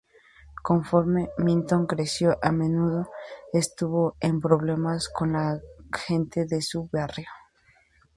Conforme Minton creció, a menudo estuvo en problemas con la gente de su barrio.